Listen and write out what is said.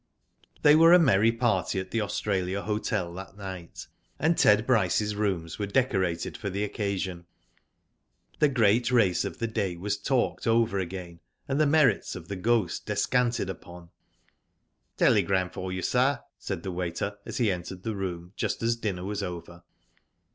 *' They were a merry party at the Australia Hotel that night, and Ted Bryce's rooms were decorated for the occasion. The great race of the day was talked over again, and the merits of The Ghost descanted upon. " Telegram for you, sir," said the waiter, as he entered the room, just as dinner was over.